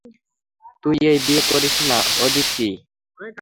তুই এই বিয়ে করিস না, আদিতি!